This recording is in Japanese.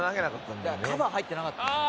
カバー入ってなかった。